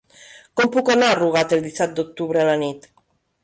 Com puc anar a Rugat el disset d'octubre a la nit?